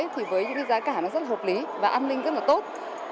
thì với những giá cả nó rất là hợp lý và an ninh rất là tốt